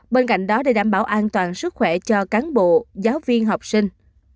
bên cạnh đó để đảm bảo an toàn sức khỏe cho cán bộ giáo viên học sinh